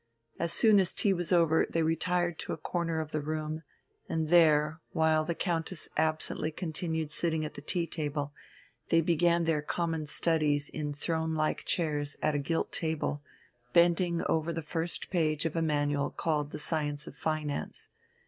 As soon as tea was over, they retired to a corner of the room, and there, while the Countess absently continued sitting at the tea table, they began their common studies in throne like chairs at a gilt table, bending over the first page of a manual called "The Science of Finance."